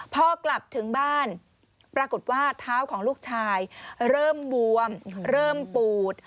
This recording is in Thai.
พอกลับถึงบ้านปรากฏว่าเท้าของลูกชายเริ่มบวมเริ่มปูด